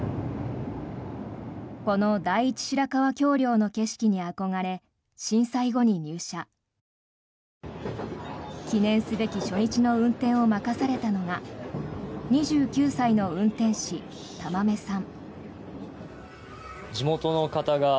この第一白川橋梁の景色に憧れ震災後に入社記念すべき初日の運転を任されたのが２９歳の運転士、玉目さん。